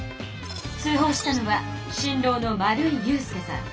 通ほうしたのは新郎の丸井優介さん。